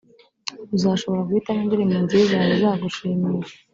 uzashobora guhitamo indirimbo nziza zizagushimisha